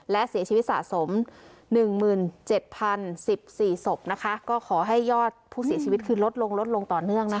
และเสียชีวิตสะสมหนึ่งหมื่นเจ็ดพันสิบสี่สบนะคะก็ขอให้ยอดผู้เสียชีวิตคือลดลงลดลงต่อเนื่องนะคะ